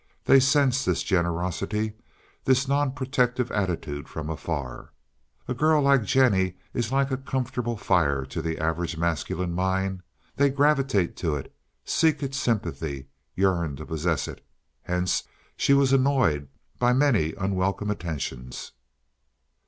They sense this generosity, this non protective attitude from afar. A girl like Jennie is like a comfortable fire to the average masculine mind; they gravitate to it, seek its sympathy, yearn to possess it. Hence she was annoyed by many unwelcome attentions.